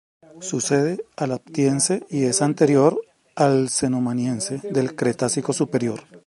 Sucede al Aptiense y es anterior al Cenomaniense, del Cretácico superior.